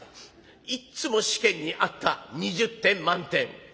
いっつも試験にあった２０点満点。